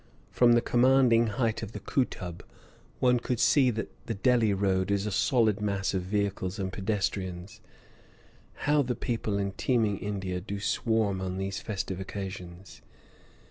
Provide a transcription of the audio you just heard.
From the commanding height of the Kootub one could see that the Delhi road is a solid mass of vehicles and pedestrians (how the people in teeming India do swarm on these festive occasions!).